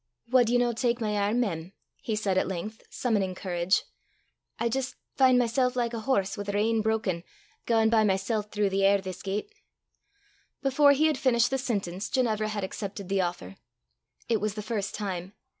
"Wad ye no tak my airm, mem?" he said at length, summoning courage. "I jist fin' mysel' like a horse wi' a reyn brocken, gaein' by mysel' throu' the air this gait." Before he had finished the sentence Ginevra had accepted the offer. It was the first time.